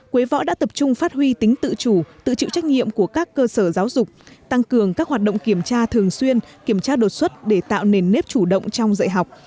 quế võ đã tập trung phát huy tính tự chủ tự chịu trách nhiệm của các cơ sở giáo dục tăng cường các hoạt động kiểm tra thường xuyên kiểm tra đột xuất để tạo nền nếp chủ động trong dạy học